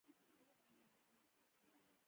موږ باید دا شعار د خپل ژوند تګلاره وګرځوو